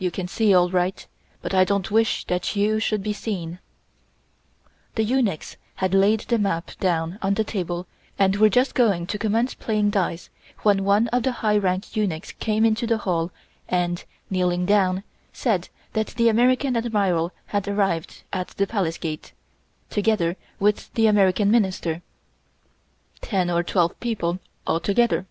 You can see all right, but I don't wish that you should be seen." The eunuchs had laid the map down on the table and were just going to commence playing dice, when one of the high rank eunuchs came into the Hall and, kneeling down, said that the American Admiral had arrived at the Palace Gate, together with the American Minister ten or twelve people altogether.